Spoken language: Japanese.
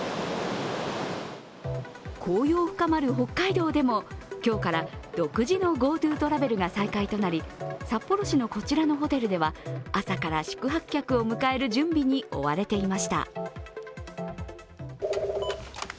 紅葉深まる北海道でも今日から独自のＧｏＴｏトラベルが再開となり札幌市のこちらのホテルでは朝から宿泊客を迎える準備に追われていました。